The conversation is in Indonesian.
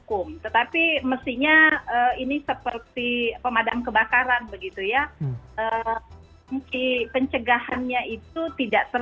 kalau yang akan dikenakan dalam satu satu